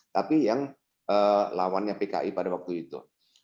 tapi yang lawannya pki pada waktu itu